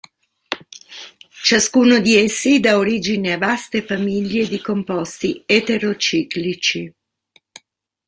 Ciascuno di essi dà origine a vaste famiglie di composti eterociclici.